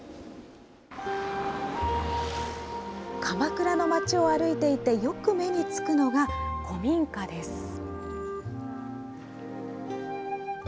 鎌倉の街を歩いていて、よく目につくのが、古民家です。